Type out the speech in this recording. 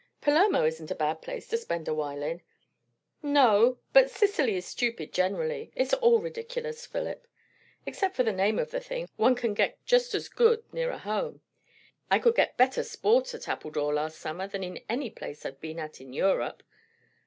"Palermo isn't a bad place to spend a while in." "No; but Sicily is stupid generally. It's all ridiculous, Philip. Except for the name of the thing, one can get just as good nearer home. I could get better sport at Appledore last summer, than in any place I've been at in Europe."